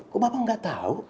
kok bapak nggak tau